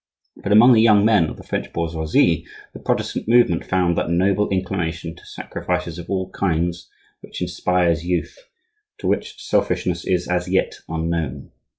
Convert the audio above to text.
But among the young men of the French bourgeoisie the Protestant movement found that noble inclination to sacrifices of all kinds which inspires youth, to which selfishness is, as yet, unknown.